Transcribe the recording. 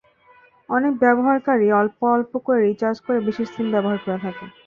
অনেক ব্যবহারকারী অল্প অল্প করে রিচার্জ করে বেশি সিম ব্যবহার করে থাকেন।